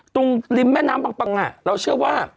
ตรงริมแม่น้ำบางปังเราเชื่อว่า